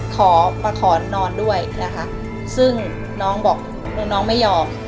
ขอมาขอนอนด้วยนะคะซึ่งน้องบอกน้องไม่ยอม